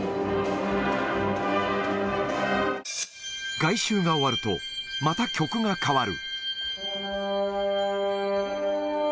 外周が終わると、また曲が変わる。